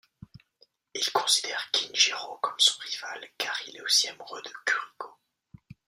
Il considère Kinjiro comme son rival car il est aussi amoureux de Kuriko.